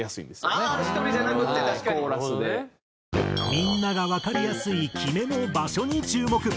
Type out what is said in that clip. みんながわかりやすいキメの場所に注目。